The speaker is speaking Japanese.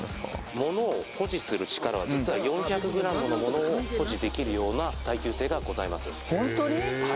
物を保持する力は４００グラムのものを保持できるような耐久性がございます。